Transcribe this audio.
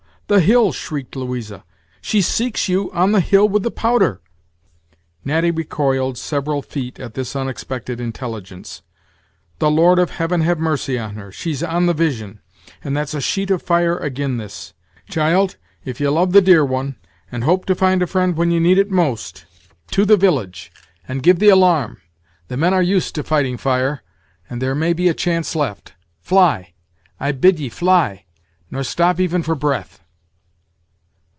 the hill!" shrieked Louisa; "she seeks you on the hill with the powder!" Natty recoiled several feet at this unexpected intelligence. "The Lord of Heaven have mercy on her! She's on the Vision, and that's a sheet of fire agin' this. Child, if ye love the dear one, and hope to find a friend when ye need it most, to the village, and give the alarm. The men are used to fighting fire, and there may be a chance left, Fly! I bid ye fly! nor stop even for breath."